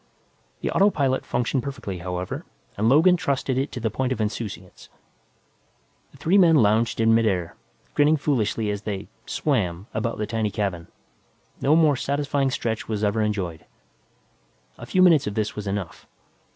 The autopilot functioned perfectly, however, and Logan trusted it to the point of insouciance. The three men lounged in midair, grinning foolishly as they "swam" about the tiny cabin. No more satisfying stretch was ever enjoyed. A few minutes of this was enough.